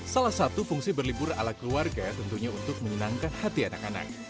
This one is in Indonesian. salah satu fungsi berlibur ala keluarga tentunya untuk menyenangkan hati anak anak